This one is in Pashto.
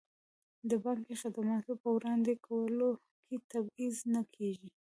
د بانکي خدماتو په وړاندې کولو کې تبعیض نه کیږي.